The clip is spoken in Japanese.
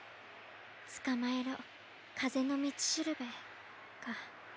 「つかまえろかぜのみちしるべ」か。